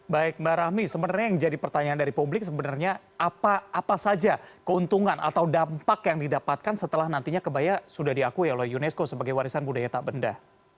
baik mbak rahmi sebenarnya yang jadi pertanyaan dari publik sebenarnya apa saja keuntungan atau dampak yang didapatkan setelah nantinya kebaya sudah diakui oleh unesco sebagai warisan budaya tak benda